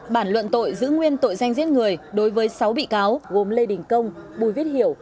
bản luận tội giữ nguyên tội danh giết người đối với sáu bị cáo gồm lê đình công bùi viết hiểu